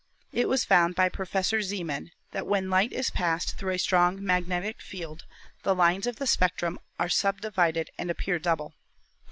It was found by Professor Zeeman that, when light is passed through a strong magnetic field, the lines of the spectrum are subdivided and appear double.